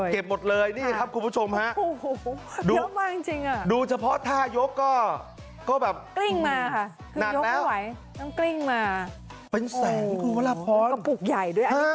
เก็บหมดเลยนี่ครับคุณผู้ชมฮะดูเฉพาะถ้ายกก็ก็แบบนานแล้วเป็นแสงคุณพระพรเป็นกระปุกใหญ่ด้วย